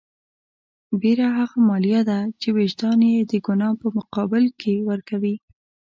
بېره هغه مالیه ده چې وجدان یې د ګناه په مقابل کې ورکوي.